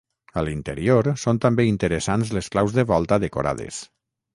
A l'interior, són també interessants les claus de volta decorades.